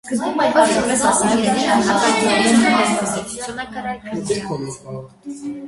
Ըստ հույն պատմիչների՝ հունական գիտությունը մեծ ազդեցություն է կրել փյունիկյանից։